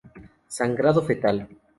Sangrado fetal.